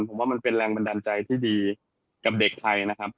ผมว่ามันเป็นแรงบันดาลใจที่ดีกับเด็กไทยนะครับ